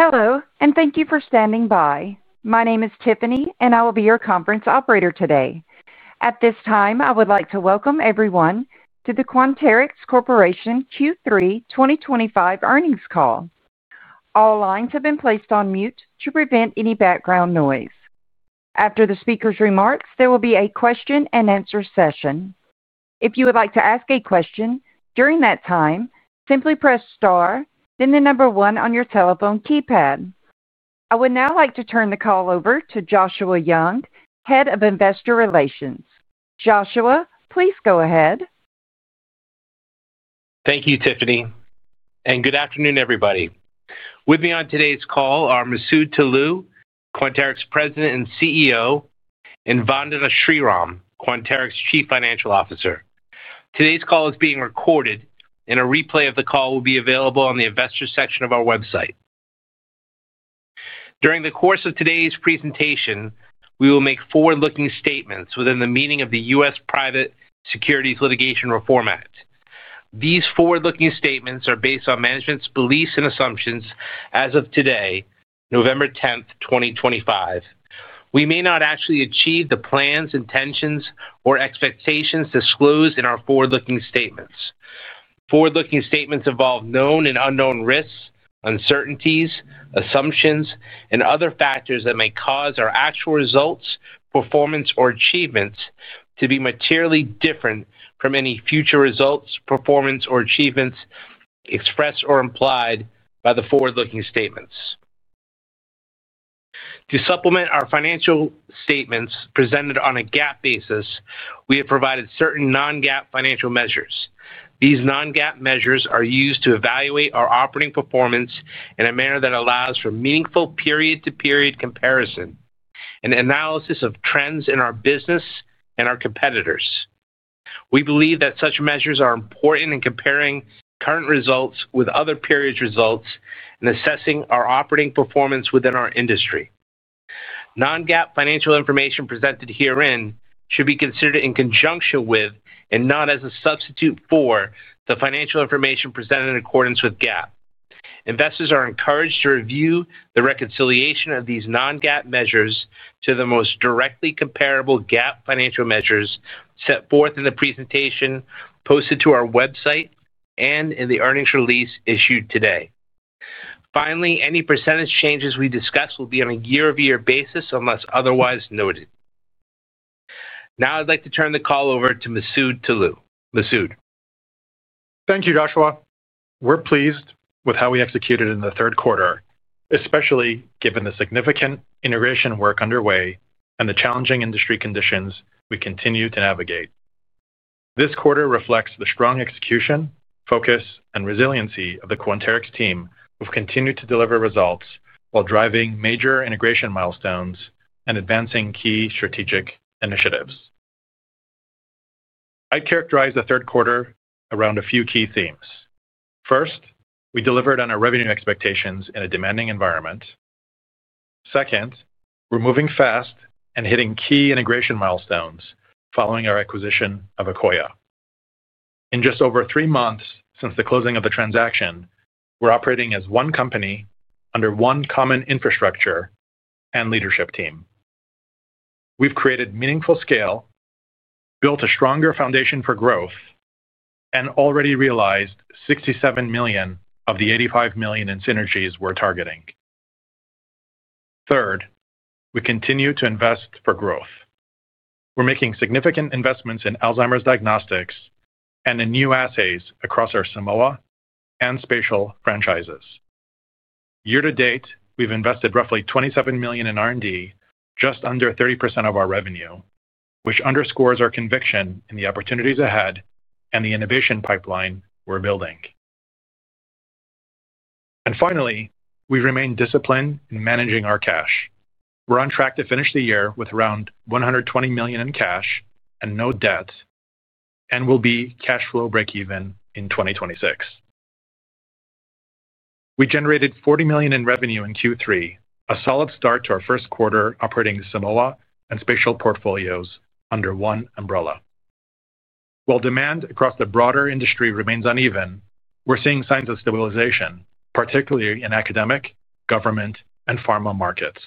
Hello and thank you for standing by. My name is Tiffany and I will be your conference operator today. At this time I would like to welcome everyone to the Quanterix Corporation Q3 2025 earnings call. All lines have been placed on mute to prevent any background noise. After the speaker's remarks, there will be a question-and-answer session. If you would like to ask a question during that time, simply press star then the number one on your telephone keypad. I would now like to turn the call over to Joshua Young, Head of Investor Relations. Joshua, please go ahead. Thank you, Tiffany, and good afternoon, everybody. With me on today's call are Masoud Toloue, Quanterix President and CEO, and Vandana Sriram, Quanterix Chief Financial Officer. Today's call is being recorded, and a replay of the call will be available on the Investors section of our website. During the course of today's presentation, we will make forward-looking statements within the meaning of the U.S. Private Securities Litigation Reform Act. These forward-looking statements are based on management's beliefs and assumptions. As of today, November 10th, 2025, we may not actually achieve the plans, intentions, or expectations disclosed in our forward-looking statements. Forward-looking statements involve known and unknown risks, uncertainties, assumptions, and other factors that may cause our actual results, performance, or achievements to be materially different from any future results, performance, or achievements expressed or implied by the forward-looking statements. To supplement our financial statements presented on a GAAP basis, we have provided certain non-GAAP financial measures. These non-GAAP measures are used to evaluate our operating performance in a manner that allows for meaningful period-to-period comparison and analysis of trends in our business and our competitors. We believe that such measures are important in comparing current results with other periods' results and assessing our operating performance within our industry. Non-GAAP financial information presented herein should be considered in conjunction with and not as a substitute for the financial information presented in accordance with GAAP. Investors are encouraged to review the reconciliation of these non-GAAP measures to the most directly comparable GAAP financial measures set forth in the presentation posted to our website and in the earnings release issued today. Finally, any percentage changes we discuss will be on a year-over-year basis unless otherwise noted. Now I'd like to turn the call over to Masoud Toloue. Masoud. Thank you, Joshua. We're pleased with how we executed in the third quarter, especially given the significant integration work underway and the challenging industry conditions we continue to navigate. This quarter reflects the strong execution, focus, and resiliency of the Quanterix team. We've continued to deliver results while driving major integration milestones and advancing key strategic initiatives. I characterize the third quarter around a few key themes. First, we delivered on our revenue expectations in a demanding environment. Second, we're moving fast and hitting key integration milestones following our acquisition of Akoya in just over three months. Since the closing of the transaction, we're operating as one company under one common infrastructure and leadership team. We've created meaningful scale, built a stronger foundation for growth, and already realized $67 million of the $85 million in synergies we're targeting. Third, we continue to invest for growth. We're making significant investments in Alzheimer's diagnostics and in new assays across our Simoa Spatial franchises. Year to date, we've invested roughly $27 million in R&D, just under 30% of our revenue, which underscores our conviction in the opportunities ahead and the innovation pipeline we're building. Finally, we remain disciplined in managing our cash. We're on track to finish the year with around $120 million in cash and no debt and will be cash flow breakeven in 2026. We generated $40 million in revenue in Q3, a solid start to our first quarter operating Simoa and Spatial portfolios under one umbrella. While demand across the broader industry remains uneven, we're seeing signs of stabilization, particularly in academic, government, and pharma markets.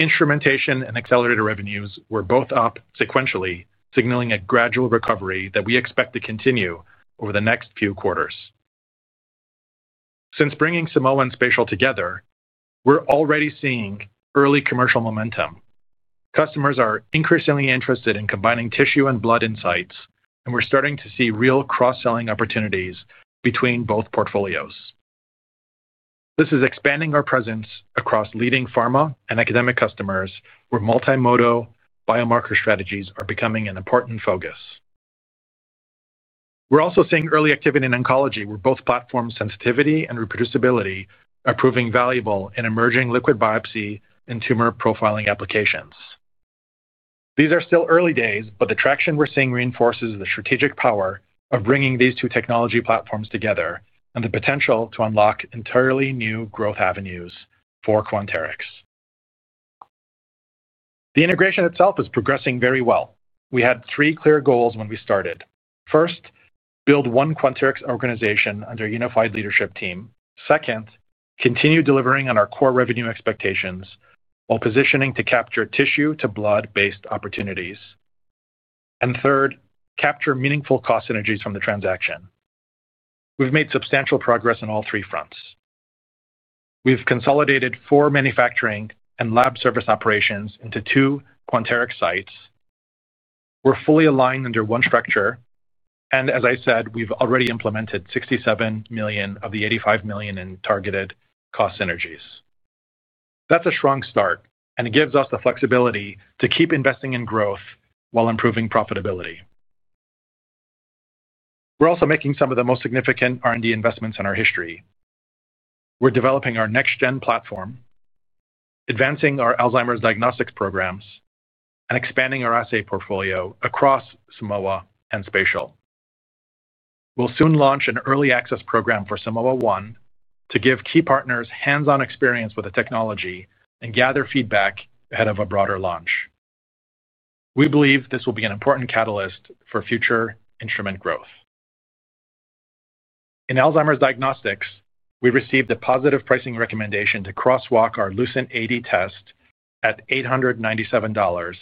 Instrumentation and Accelerator revenues were both up sequentially, signaling a gradual recovery that we expect to continue over the next few quarters. Since bringing Simoa and Spatial together, we're already seeing early commercial momentum. Customers are increasingly interested in combining tissue and blood insights and we're starting to see real cross selling opportunities between both portfolios. This is expanding our presence across leading pharma and academic customers where multimodal biomarker strategies are becoming an important focus. We're also seeing early activity in oncology where both platform sensitivity and reproducibility are proving valuable in emerging liquid biopsy and tumor profiling applications. These are still early days, but the traction we're seeing reinforces the strategic power of bringing these two technology platforms together and the potential to unlock entirely new growth avenues for Quanterix. The integration itself is progressing very well. We had three clear goals when we started. First, build one Quanterix organization under a unified leadership team. Second, continue delivering on our core revenue expectations while positioning to capture tissue to blood based opportunities and third, capture meaningful cost synergies from the transaction. We've made substantial progress on all three fronts. We've consolidated four manufacturing and lab service operations into two Quanterix sites. We're fully aligned under one structure and as I said, we've already implemented $67 million of the $85 million in targeted cost synergies. That's a strong start and it gives us the flexibility to keep investing in growth while improving profitability. We're also making some of the most significant R&D investments in our history. We're developing our next-gen platform, advancing our Alzheimer's diagnostics programs and expanding our assay portfolio across Simoa and Spatial. We'll soon launch an early access program for Simoa One to give key partners hands-on experience with the technology and gather feedback ahead of a broader launch. We believe this will be an important catalyst for future instrument growth in Alzheimer's diagnostics. We received a positive pricing recommendation to crosswalk our LucentAD test at $897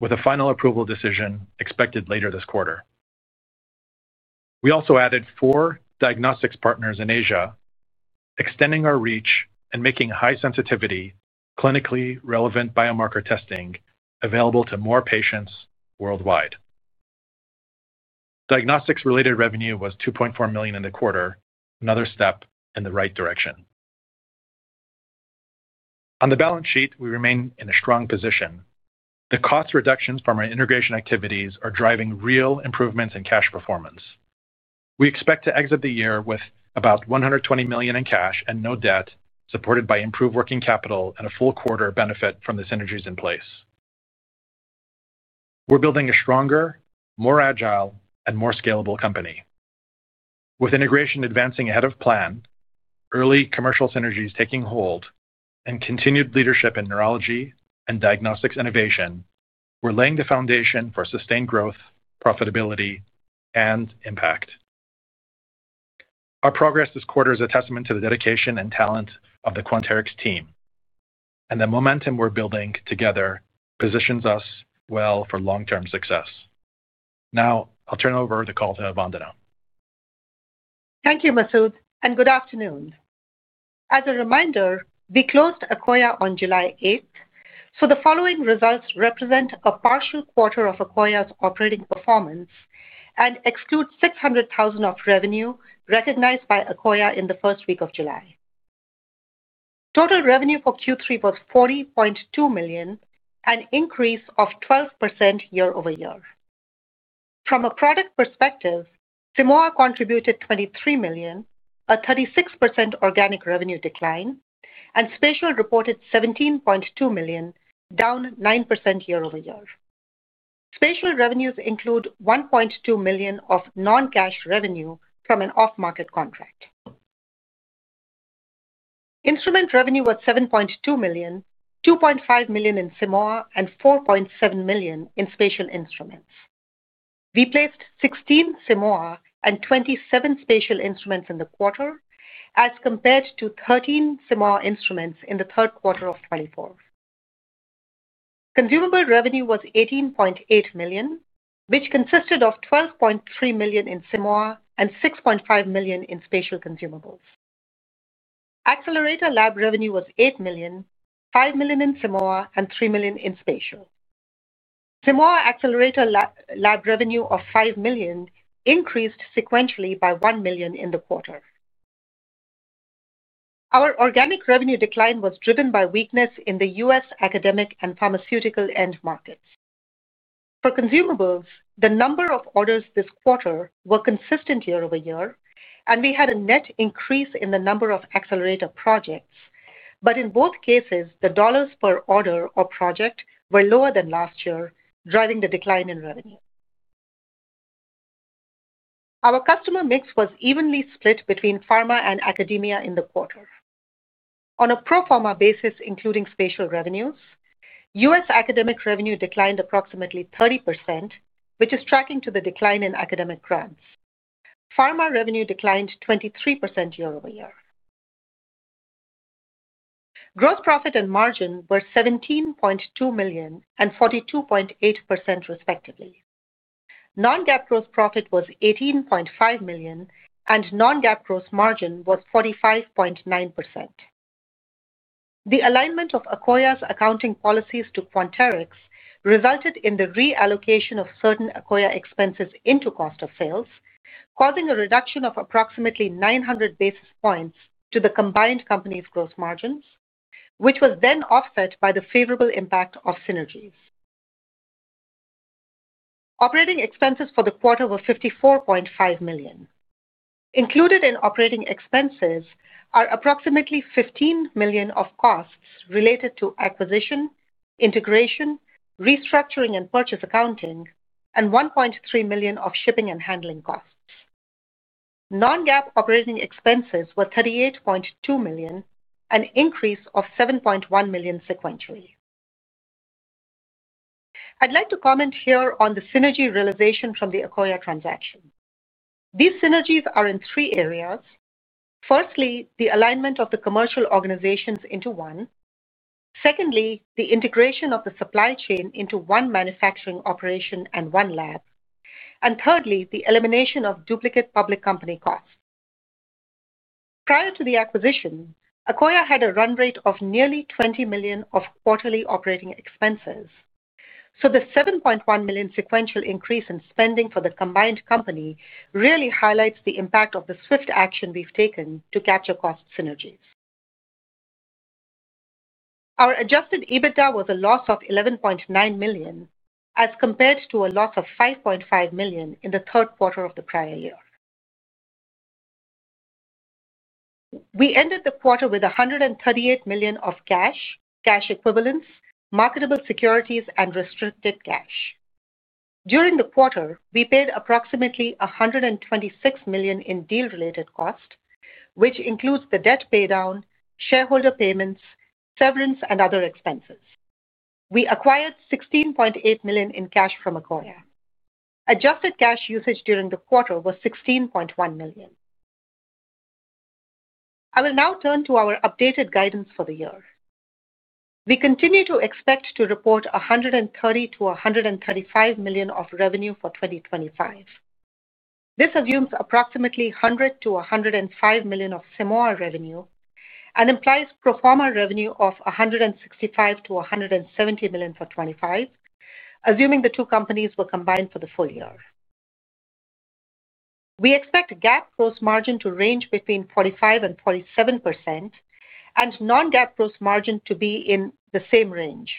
with a final approval decision expected later this quarter. We also added four diagnostics partners in Asia, extending our reach and making high sensitivity, clinically relevant biomarker testing available to more patients worldwide. Diagnostics related revenue was $2.4 million in the quarter, another step in the right direction on the balance sheet. We remain in a strong position. The cost reductions from our integration activities are driving real improvements in cash performance. We expect to exit the year with about $120 million in cash and no debt. Supported by improved working capital and a full quarter benefit from the synergies in place, we're building a stronger, more agile and more scalable company. With integration advancing ahead of plan, early commercial synergies taking hold, and continued leadership in neurology and diagnostics innovation, we're laying the foundation for sustained growth, profitability and impact. Our progress this quarter is a testament to the dedication and talent of the Quanterix team and the momentum we're building together positions us well for long term success. Now I'll turn over the call to Vandana. Thank you Masoud and good afternoon. As a reminder, we closed Akoya on July 8th, so the following results represent a partial quarter of Akoya's operating performance and exclude $600,000 of revenue recognized by Akoya. In the first week of July, total revenue for Q3 was $40.2 million, an increase of 12% year-over-year. From a product perspective, Simoa contributed $23 million, a 36% organic revenue decline, and Spatial reported $17.2 million, down 9% year-over-year. Spatial revenues include $1.2 million of non-cash revenue from an off-market contract. Instrument revenue was $7.2 million, $2.5 million in Simoa and $4.7 million in Spatial instruments. We placed 16 Simoa and 27 Spatial instruments in the quarter as compared to 13 Simoa instruments in Q3 2024. Consumable revenue was $18.8 million, which consisted of $12.3 million in Simoa and $6.5 million in Spatial consumables. Accelerator Lab revenue was $8 million, $5 million in Simoa and $3 million in spatial Simoa. Accelerator Lab revenue of $5 million increased sequentially by $1 million in the quarter. Our organic revenue decline was driven by weakness in the U.S. academic and pharmaceutical end markets for consumables. The number of orders this quarter were consistent year-over-year and we had a net increase in the number of Accelerator projects. In both cases the dollars per order or project were lower than last year, driving the decline in revenue. Our customer mix was evenly split between pharma and academia in the quarter on a pro pharma basis, including spatial revenues. U.S. academic revenue declined approximately 30%, which is tracking to the decline in academic grants. Pharma revenue declined 23% year-over-year. Gross profit and margin were $17.2 million and 42.8% respectively. Non-GAAP gross profit was $18.5 million and non-GAAP gross margin was 45.9%. The alignment of Akoya's accounting policies to Quanterix resulted in the reallocation of certain Akoya expenses into cost of sales, causing a reduction of approximately 900 basis points to the combined company's gross margins, which was then offset by the favorable impact of synergies. Operating expenses for the quarter were $54.5 million. Included in operating expenses are approximately $15 million of costs related to acquisition, integration, restructuring and purchase accounting and $1.3 million of shipping and handling costs. Non-GAAP operating expenses were $38.2 million, an increase of $7.1 million sequentially. I'd like to comment here on the synergy realization from the Akoya transaction. These synergies are in three areas. Firstly, the alignment of the commercial organizations into one, secondly, the integration of the supply chain into one manufacturing operation and one lab, and thirdly, the elimination of duplicate public company costs. Prior to the acquisition, Akoya had a run rate of nearly $20 million of quarterly operating expenses. So the $7.1 million sequential increase in spending for the combined company really highlights the impact of the swift action we've taken to capture cost synergies. Our adjusted EBITDA was a loss of $11.9 million as compared to a loss of $5.5 million in the third quarter of the prior year. We ended the quarter with $138 million of cash, cash equivalents, marketable securities, and restricted cash. During the quarter we paid approximately $126 million in deal related cost, which includes the debt paydown, shareholder payments, severance, and other expenses. We acquired $16.8 million in cash from Akoya. Adjusted cash usage during the quarter was $16.1 million. I will now turn to our updated guidance for the year. We continue to expect to report $130 million-$135 million of revenue for 2025. This assumes approximately $100 million-$105 million of similar revenue and implies pro forma revenue of $165 million-$170 million for 2025. Assuming the two companies were combined for the full year, we expect GAAP gross margin to range between 45%-47% and non-GAAP gross margin to be in the same range.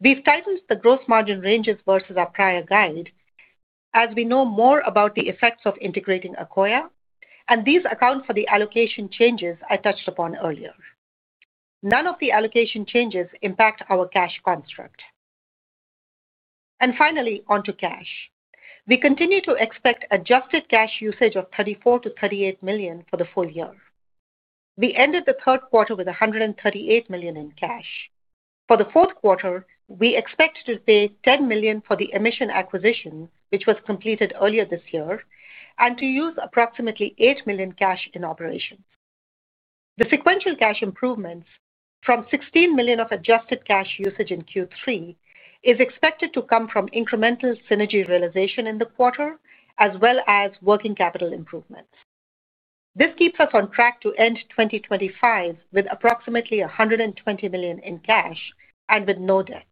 We have tightened the gross margin ranges versus our prior guide as we know more about the effects of integrating Akoya and these account for the allocation changes I touched upon earlier. None of the allocation changes impact our cash construct. Finally, onto cash, we continue to expect adjusted cash usage of $34 million-$38 million for the full year. We ended the third quarter with $138 million in cash. For the fourth quarter we expect to pay $10 million for the Emission acquisition which was completed earlier this year, and to use approximately $8 million cash in operations. The sequential cash improvements from $16 million of adjusted cash usage in Q3 is expected to come from incremental synergy realization in the quarter as well as working capital improvements. This keeps us on track to end 2025 with approximately $120 million in cash and with no debt.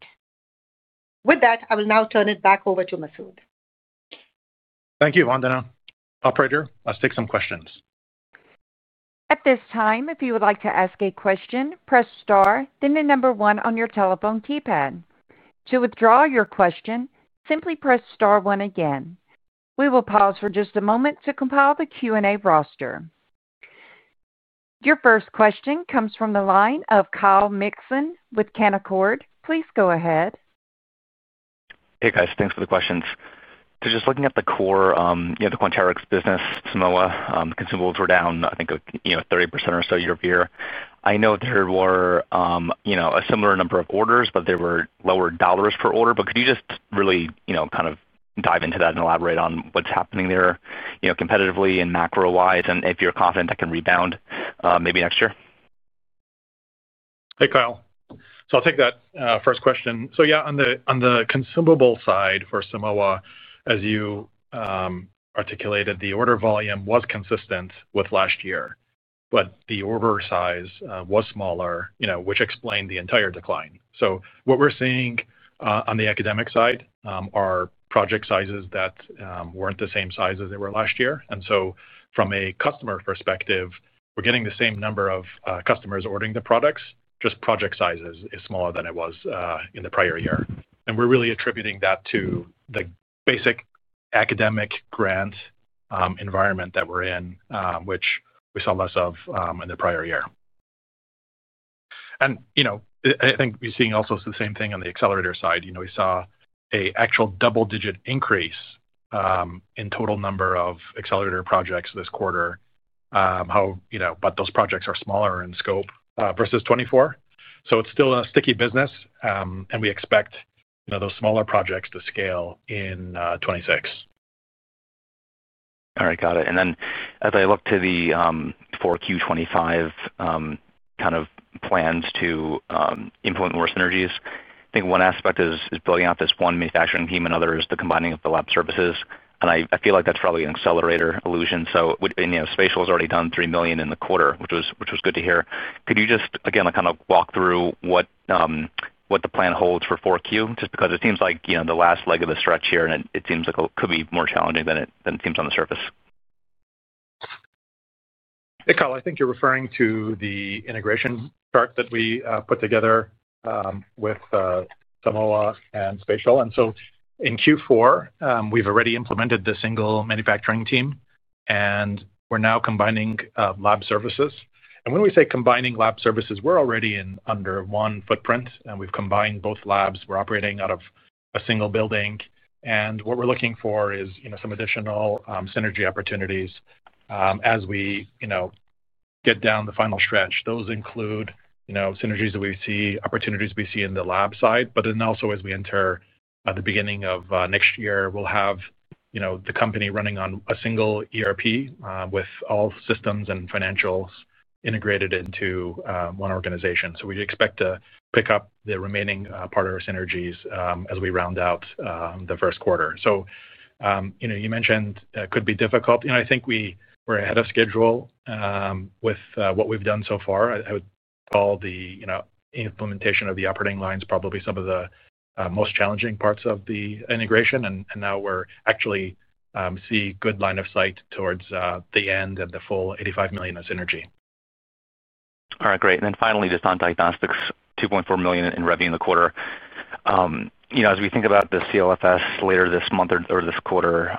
With that I will now turn it back over to Masoud. Thank you, Vandana. Operator, let's take some questions. At this time, if you would like to ask a question, press star then the number one on your telephone keypad. To withdraw your question, simply press star one again. We will pause for just a moment to compile the Q&A roster. Your first question comes from the line of Kyle Mikson with Canaccord. Please go ahead. Thanks for the questions. Just looking at the core, the Quanterix business, Simoa consumables were down, I think, 30% or so year-over-year. I know there were a similar number of orders, but there were lower dollars per order. Could you just really kind of dive into that and elaborate on what's happening there competitively and macro wise, and if you're confident that can rebound maybe next year. Hey Kyle, so I'll take that first question. Yeah, on the consumable side for Simoa, as you articulated, the order volume was consistent with last year, but the order size was smaller, which explained the entire decline. What we're seeing on the academic side are project sizes that weren't the same size as they were last year. From a customer perspective, we're getting the same number of customers ordering the products. Just project sizes is smaller than it was in the prior year. We're really attributing that to the basic academic grant environment that we're in, which we saw less of in the prior year. I think we're seeing also the same thing on the Accelerator side. We saw an actual double-digit increase in total number of Accelerator projects this quarter, but those projects are smaller in scope versus 2024. It's still a sticky business and we expect those smaller projects to scale in 2026. All right, got it. As I look to the 4Q 2025 kind of plans to implement more synergies, I think one aspect is building out this one manufacturing team. Another is the combining of the lab services. I feel like that's probably an Accelerator Lab allusion. Spatial has already done $3 million in the quarter, which was good to hear. Could you just again kind of walk through what the plan holds for 4Q just because it seems like the last leg of the stretch here and it seems like it could be more challenging than it seems on the surface. Kyle, I think you're referring to the integration chart that we put together with Simoa and Spatial. In Q4, we've already implemented the single manufacturing team and we're now combining lab services. When we say combining lab services, we're already in under one footprint and we've combined both labs. We're operating out of a single building and what we're looking for is some additional synergy opportunities as we get down the final stretch. Those include, you know, synergies that we see, opportunities we see in the lab side. Also, as we enter the beginning of next year, we'll have, you know, the company running on a single ERP with all systems and financials integrated into one organization. We expect to pick up the remaining part of our synergies as we round out the first quarter. You know, you mentioned it could be difficult. You know, I think we're ahead of schedule with what we've done so far. I would call the implementation of the operating lines probably some of the most challenging parts of the integration. Now we're actually seeing good line of sight towards the end and the full $85 million of synergy. All right, great. Then finally just on diagnostics, $2.4 million in revenue in the quarter. You know, as we think about the CLFs later this month or this quarter,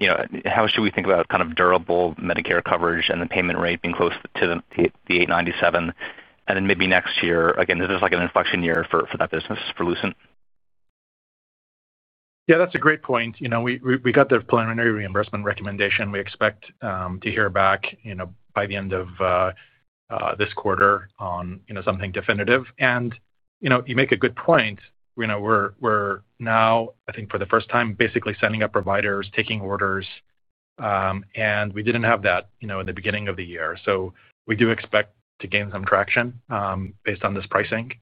you know, how should we think about kind of durable Medicare coverage and the payment rate being close to that. And then maybe next year again. Is this like an inflection year for that business for LucentAD? Yeah, that's a great point. You know, we got the preliminary reimbursement recommendation. We expect to hear back by the end of this quarter on something definitive. You know, you make a good point. We're now, I think for the first time, basically setting up providers, taking orders. We didn't have that in the beginning of the year. We do expect to gain some traction based on this pricing.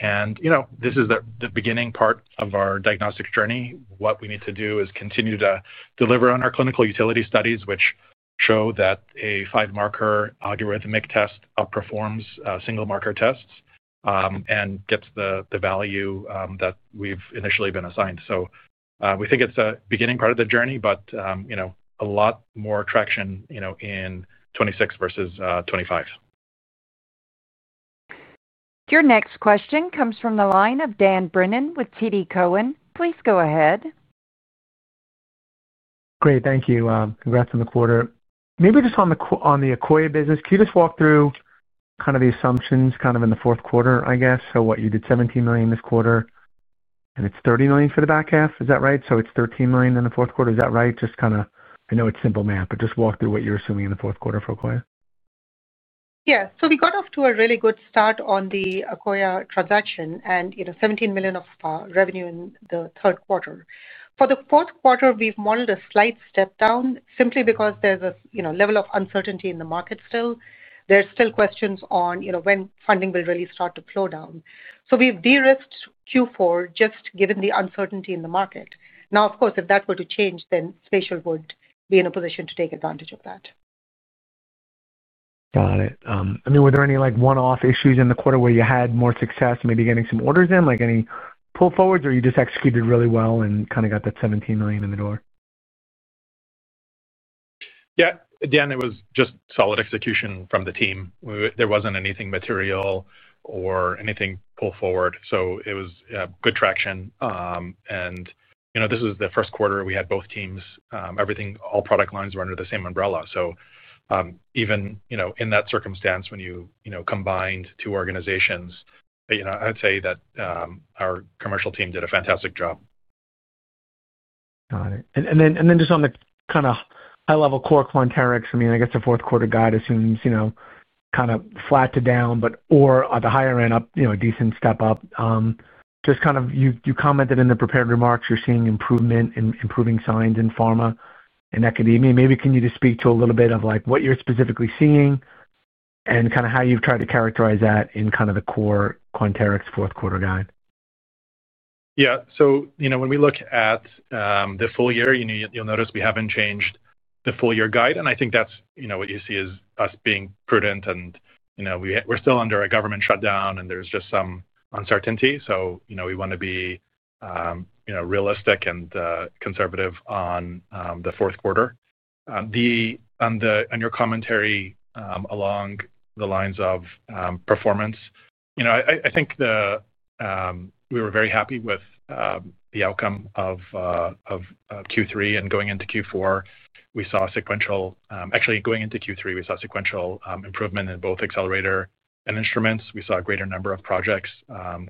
This is the beginning part of our diagnostic journey. What we need to do is continue to deliver on our clinical utility studies, which show that a five marker algorithmic test outperforms single marker tests and gets the value that we've initially been assigned. We think it's a beginning part of the journey, but a lot more traction in 2026 versus 2025. Your next question comes from the line of Dan Brennan with TD Cowen. Please go ahead. Great, thank you. Congrats on the quarter. Maybe just on the Akoya business. Can you just walk through kind of the assumptions kind of in the fourth quarter? I guess so what you did $17 million this quarter and it's $30 million for the back half, is that right? So it's $13 million in the fourth quarter, is that right? Just kind of. I know it's simple math, but just walk through what you're assuming in the fourth quarter for Akoya. Yeah, so we got off to a really good start on the Akoya transaction and you know, $17 million of revenue in the third quarter. For the fourth quarter we've modeled a slight step down simply because there's a level of uncertainty in the market still. There's still questions on when funding will really start to flow down. So we've de-risked Q4 just given the uncertainty in the market. Now of course, if that were to change, then Spatial would be in a position to take advantage of that. Got it. I mean, were there any like one-off issues in the quarter where you had more success maybe getting some orders in, like any pull forwards, or you just executed really well and kind of got that $17 million in the door? Yeah, again it was just solid execution from the team. There was not anything material or anything pull forward. It was good traction. This is the first quarter we had both teams, everything, all product lines were under the same umbrella. Even in that circumstance, when you combined two organizations, I would say that our commercial team did a fantastic job. Got it. And then just on the kind of high level core Quanterix, I mean I guess the fourth quarter guide assumes kind of flat to down or at the higher end a decent step up. Just kind of, you commented in the prepared remarks you're seeing improvement in improving signs in pharma and academia. Maybe can you just speak to a little bit of what you're specifically seeing and kind of how you've tried to characterize that in kind of the core Quanterix fourth quarter guide? Yeah. When we look at the full year, you'll notice we haven't changed the full year guide. I think what you see is us being prudent and we're still under a government shutdown and there's just some uncertainty. We want to be realistic and conservative. On the fourth quarter, on your commentary along the lines of performance, I think we were very happy with the outcome of Q3 and going into Q4 we saw sequential, actually going into Q3 we saw sequential improvement in both accelerator and instruments. We saw a greater number of projects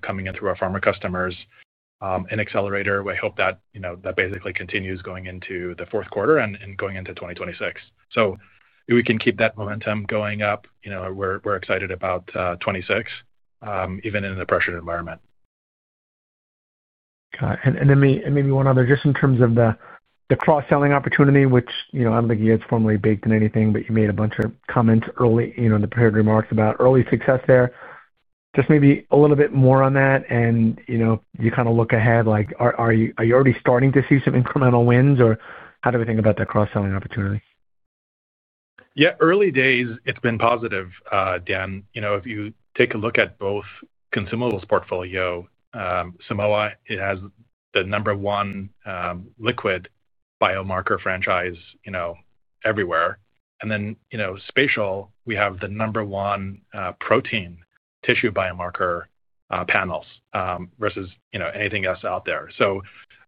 coming in through our pharma customers in accelerator. I hope that basically continues going into the fourth quarter and going into 2026 so we can keep that momentum going up. We're excited about 2026 even in the pressured environment. Maybe one other, just in terms of the cross selling opportunity, which I do not think you had formally baked in anything, but you made a bunch of comments early in the prepared remarks about early success. There just maybe a little bit more on that and you kind of look ahead like are you already starting to see some incremental wins or how do we think about that cross selling opportunity? Yeah, early days it's been positive. Dan, if you take a look at both consumables portfolio, Simoa has the number one liquid biomarker franchise everywhere. Spatial, we have the number one protein tissue biomarker panels versus anything else out there.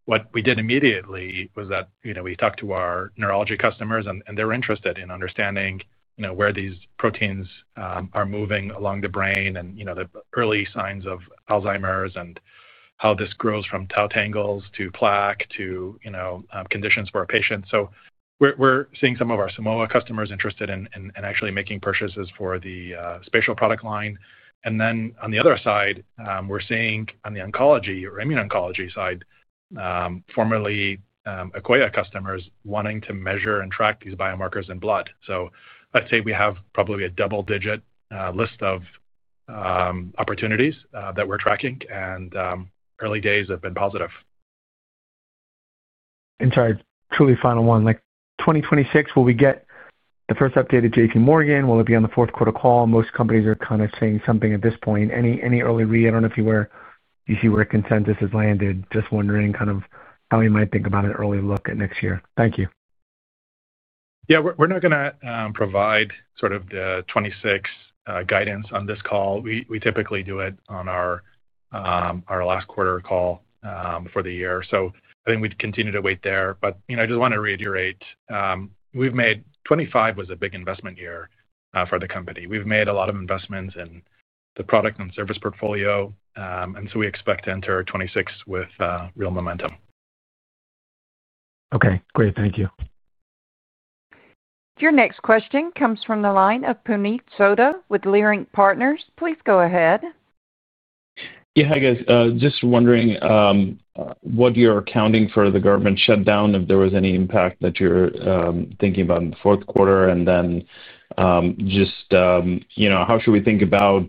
What we did immediately was that we talked to our neurology customers and they're interested in understanding where these proteins are moving along the brain and the early signs of Alzheimer's and how this grows from tau tangles to plaque to conditions for a patient. We're seeing some of our Simoa customers interested in actually making purchases for the Spatial product line. On the other side, we're seeing on the oncology or immuno-oncology side, formerly Akoya customers wanting to measure and track these biomarkers in blood. Let's say we have probably a double digit list of opportunities that we're tracking and early days have been positive. Sorry, truly final one. Like 2026, will we get the first updated JPMorgan? Will it be on the fourth quarter call? Most companies are kind of saying something at this point. Any early read, I don't know if you see where consensus has landed. Just wondering kind of how you might think about an early look at next year. Thank you. Yeah, we're not going to provide sort of the 2026 guidance on this call. We typically do it on our last quarter call for the year. I think we'd continue to wait there. I just want to reiterate, 2025 was a big investment year for the company. We've made a lot of investments in the product and service portfolio and we expect to enter 2026 with real momentum. Okay, great. Thank you. Your next question comes from the line of Puneet Souda with Leerink Partners. Please go ahead. Yeah, hi guys. Just wondering what you're accounting for the government shutdown. If there was any impact that you're thinking about in the fourth quarter and then just, you know, how should we think about,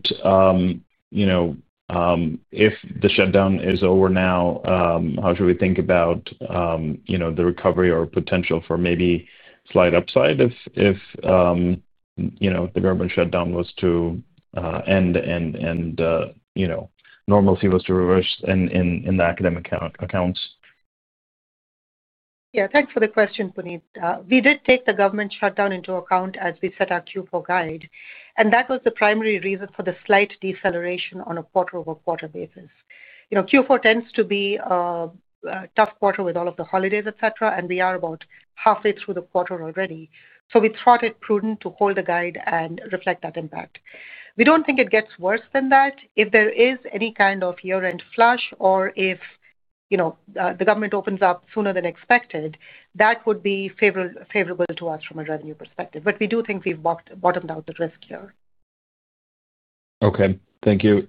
you know, if the shutdown is over now, how should we think about the recovery or potential for maybe slight upside if the government shutdown was to end and normalcy was to reverse in the academic accounts? Yeah, thanks for the question, Puneet. We did take the government shutdown into account as we set our Q4 guide and that was the primary reason for the slight deceleration on a quarter-over-quarter basis. You know, Q4 tends to be a tough quarter with all of the holidays et cetera. We are about halfway through the quarter already. We thought it prudent to hold the guide and reflect that impact. We do not think it gets worse than that. If there is any kind of year end flush or if, you know, the government opens up sooner than expected, that would be favorable to us from a revenue perspective. We do think we have bottomed out the risk here. Okay, thank you.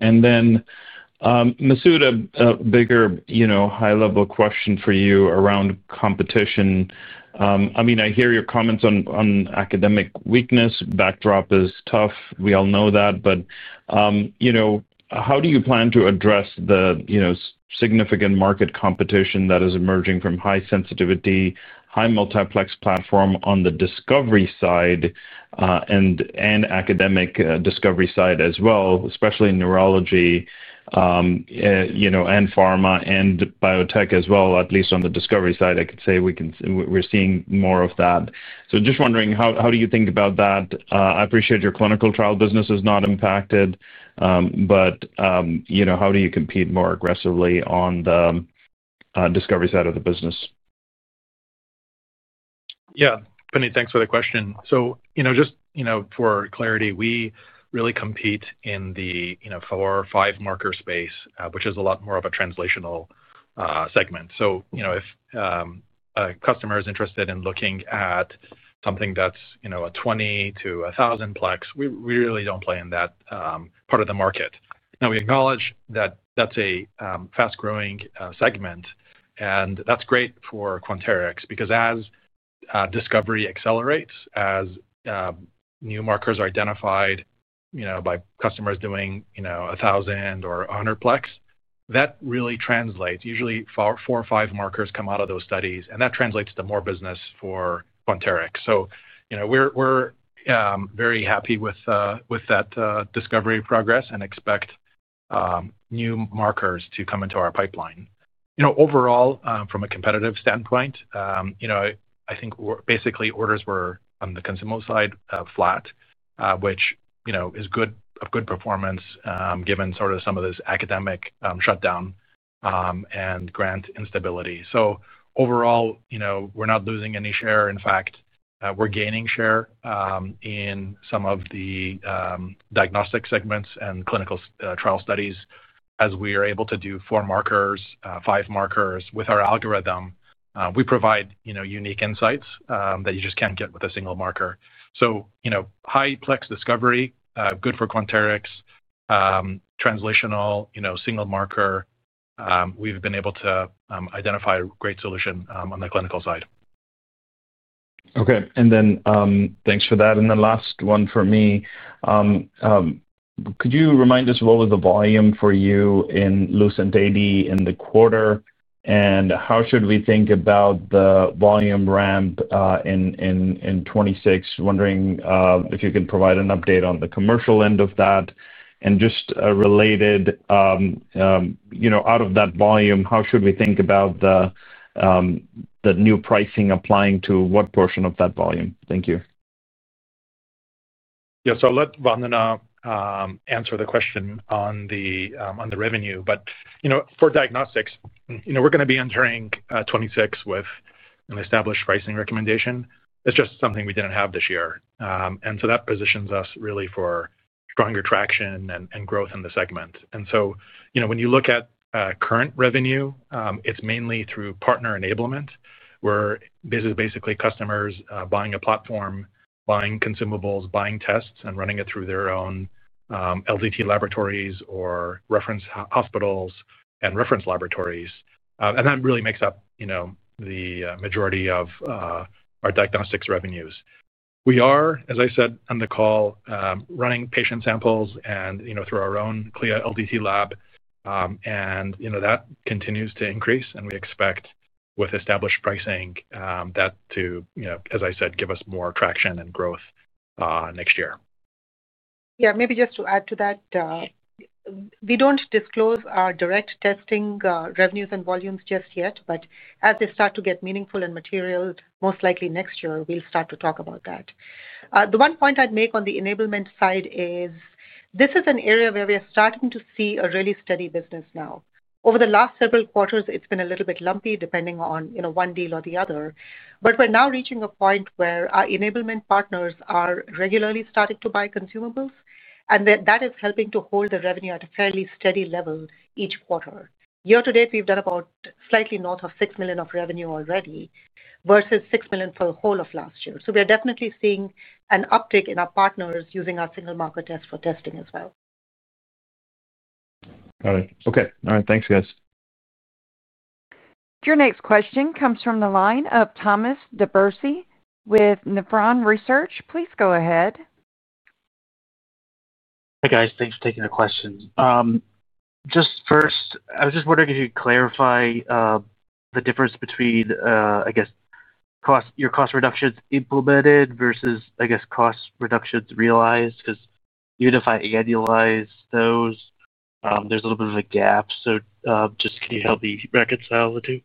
Massoud, a bigger high level question for you around competition. I mean, I hear your comments on academic weakness, backdrop is tough, we all know that. How do you plan to address the significant market competition that is emerging from high sensitivity, high multiplex platform on the discovery side and academic discovery side as well, especially in neurology and pharma and biotech as well? At least on the discovery side, I could say we're seeing more of that. Just wondering, how do you think about that? I appreciate your clinical trial business is not impacted, but how do you compete more aggressively on the discovery side of the business? Yeah, Puneet, thanks for the question. Just for clarity, we really compete in the four or five marker space, which is a lot more of a translational segment. If a customer is interested in looking at something that's a 20-1,000 plex, we really do not play in that part of the market. We acknowledge that that's a fast growing segment and that's great for Quanterix because as discovery accelerates, as new markers are identified by customers doing 1,000 or 100 plex, that really translates. Usually four or five markers come out of those studies and that translates to more business for Quanterix. We are very happy with that discovery progress and expect new markers to come into our pipeline. You know, overall, from a competitive standpoint, you know, I think basically orders were on the consumer side flat, which, you know, is good, a good performance given sort of some of this academic shutdown and grant instability. Overall, you know, we're not losing any share. In fact, we're gaining share in some of the diagnostic segments and clinical trial studies as we are able to do four markers, five markers with our algorithm. We provide unique insights that you just can't get with a single marker. High plex discovery, good for Quanterix, translational single marker. We've been able to identify a great solution on the clinical side. Okay, and then thanks for that. The last one for me. Could you remind us what was the volume for you in LucentAD in the quarter, and how should we think about the volume ramp in 2016? Wondering if you can provide an update on the commercial end of that. Just related, out of that volume, how should we think about the new pricing applying to what portion of that volume? Thank you. Yes, I'll let Vandana answer the question on the revenue. For diagnostics, we're going to be entering 2026 with an established pricing recommendation. It's just something we didn't have this year. That positions us really for stronger traction and growth in the segment. When you look at current revenue, it's mainly through partner enablement, where basically customers buying a platform, buying consumables, buying tests and running it through their own LDT laboratories or reference hospitals and reference laboratories, and that really makes up the majority of our diagnostics revenues. We are, as I said on the call, running patient samples through our own CLIA LDT lab. That continues to increase and we expect with established pricing that to, as I said, give us more traction and growth next year. Yeah, maybe just to add to that, we don't disclose our direct testing revenues and volumes just yet, but as they start to get meaningful and material, most likely next year, we'll start to talk about that. The one point I'd make on the enablement side is this is an area where we are starting to see a really steady business. Now over the last several quarters, it's been a little bit lumpy, depending on one deal or the other, but we're now reaching a point where our enablement partners are regularly starting to buy consumables, and that is helping to hold the revenue at a fairly steady level each quarter. Year to date, we've done about slightly north of $6 million of revenue already, versus $6 million for the whole of last year. We are definitely seeing an uptick in our partners using our single market test for testing as well. All right. Okay. All right, thanks guys. Your next question comes from the line of Thomas DeBourcy with Nephron Research. Please go ahead. Hey guys, thanks for taking the question. Just first I was just wondering if. You clarify the difference between, I guess, cost, your cost reductions implemented versus I. Guess cost reductions realized. Because even if I annualize those, there's a little bit of a gap. Can you help me reconcile the two?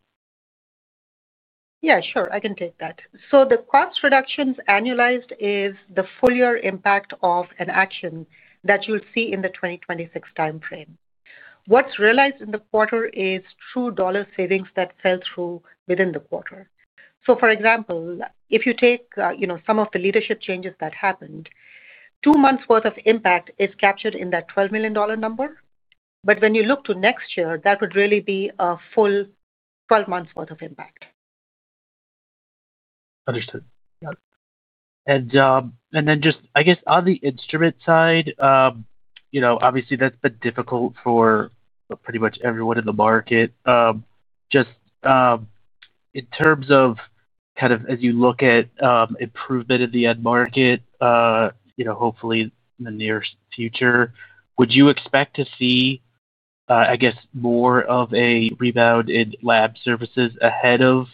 Yeah, sure, I can take that. The cost reductions annualized is the full year impact of an action that you'll see in the 2026 timeframe. What's realized in the quarter is true dollar savings that fell through within the quarter. For example, if you take some of the leadership changes that happened, two months worth of impact is captured in that $12 million number. When you look to next year, that would really be a full 12 months worth of impact. Understood. Just I guess on the instrument side, you know, obviously that's been difficult for pretty much everyone in the market. Just in terms of kind of as you look at improvement in the end market, you know, hopefully in the near future, would you expect to see, I guess, more of a rebound in lab services ahead of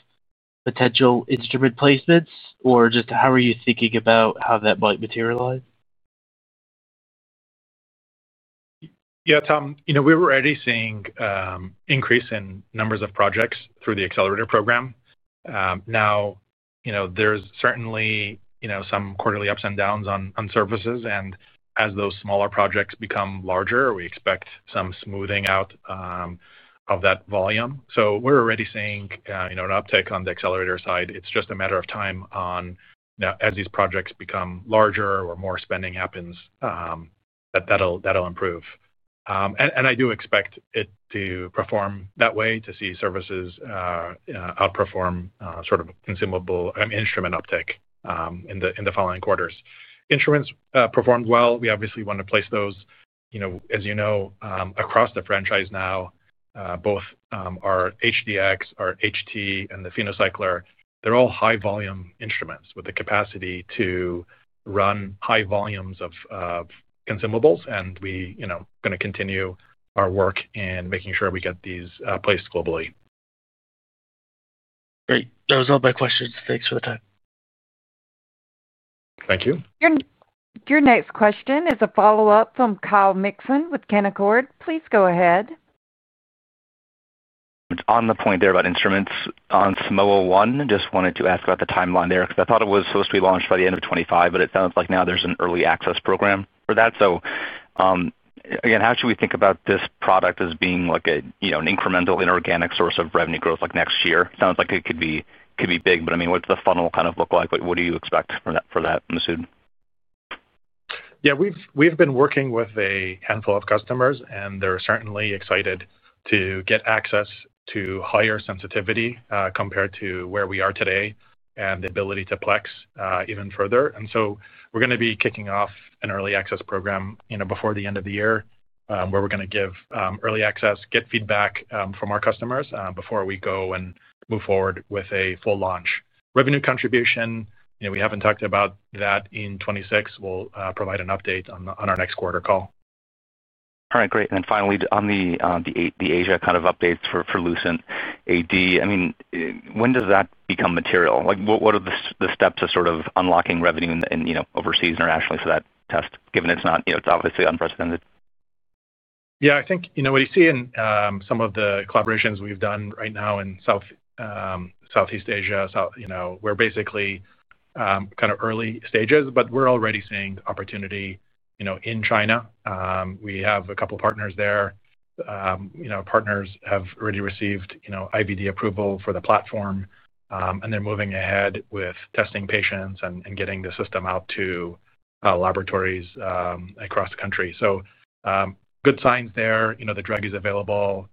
potential instrument placements? Or just how are you thinking about how that might materialize? Yeah, Tom, you know, we were already seeing increase in numbers of projects through the Accelerator Lab program. Now there's certainly some quarterly ups and downs on services. As those smaller projects become larger, we expect some smoothing out of that volume. So we're already seeing an uptick on the Accelerator side. It's just a matter of time. As these projects become larger or more spending happens, that'll improve and I do expect it to perform that way to see services outperform sort of consumable instrument uptick in the following quarters. Instruments performed well. We obviously want to place those, you know, across the franchise. Now both our HD-X, our HT, and the PhenoCycler, they're all high volume instruments with the capacity to run high volumes of consumables. We are going to continue our work in making sure we get these placed globally. Great. That was all my questions. Thanks for the time. Thank you. Your next question is a follow-up from Kyle Mikson with Canaccord. Please go ahead. On the point there about instruments on Simoa One, just wanted to ask about the timeline there because I thought it was supposed to be launched by the end of 2025, but it sounds like now there's an early access program for that. Again, how should we think about this product as being an incremental inorganic source of revenue growth like next year? Sounds like it could be, but I mean what's the funnel kind of look like? What do you expect for that, Masoud? Yeah, we've been working with a handful of customers and they're certainly excited to get access to higher sensitivity compared to where we are today and the ability to plex even further. We are going to be kicking off an early access program before the end of the year where we're going to give early access, get feedback from our customers before we go and move forward with a full launch revenue contribution. We haven't talked about that in 2026. We'll provide an update on our next quarter call. All right, great. Finally, on the Asia kind of updates for LucentAD, when does that become material? What are the steps of sort of unlocking revenue overseas internationally for that test given it's obviously unprecedented. Yeah, I think what you see in some of the collaborations we've done right now in Southeast-Asia, we're basically kind of early stages, but we're already seeing opportunity in China. We have a couple partners there. Partners have already received IVD approval for the platform and they're moving ahead with testing patients and getting the system out to laboratories across the country. Good signs there. The drug is available,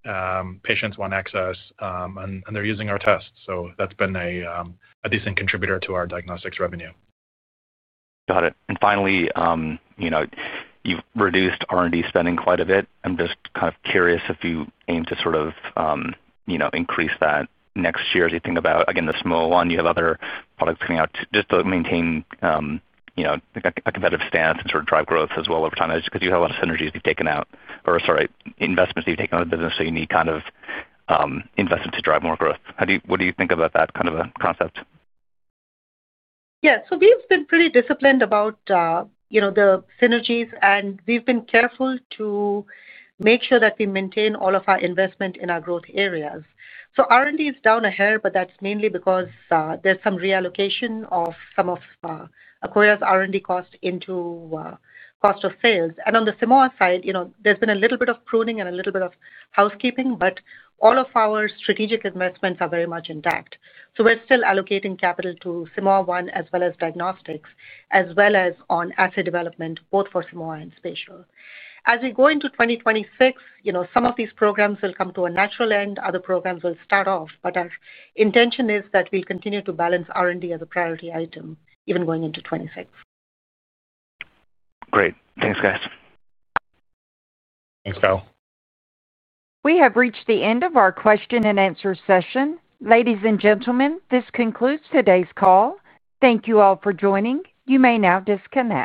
patients want access and they're using our tests. That's been a decent contributor to our diagnostics revenue. Got it. Finally, you've reduced R&D spending quite a bit. I'm just kind of curious if you aim to sort of increase that next year. As you think about, again, the Simoa One, you have other products coming out just to maintain a competitive stance and sort of drive growth as well over time because you have a lot of synergies you've taken out or, sorry, investments you've taken out of the business. You need kind of invested to drive more growth. What do you think about that kind of a concept? Yes. We have been pretty disciplined about the synergies and we have been careful to make sure that we maintain all of our investment in our growth areas. R&D is down a hair, but that is mainly because there is some reallocation of some of Akoya's R&D cost into cost of sales. On the Simoa side, there has been a little bit of pruning and a little bit of housekeeping. All of our strategic investments are very much intact. We are still allocating capital to Simoa One, as well as diagnostics, as well as on asset development, both for Simoa and Spatial. As we go into 2026, some of these programs will come to a natural end. Other programs will start off, but our intention is that we will continue to balance R&D as a priority item, even going into 2026. Great. Thanks, guys. Thanks, Kyle. We have reached the end of our question-and-answer session. Ladies and gentlemen, this concludes today's call. Thank you all for joining. You may now disconnect.